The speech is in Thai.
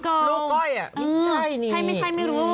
ชัยไหมใช่ไม่รู้